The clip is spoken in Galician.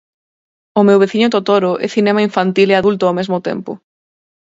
O meu veciño Totoro é cinema infantil e adulto ao mesmo tempo.